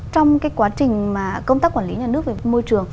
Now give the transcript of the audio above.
trong cái quá trình mà công tác quản lý nhà nước về môi trường